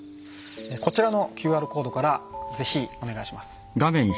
こちらのＱＲコードからお願いします。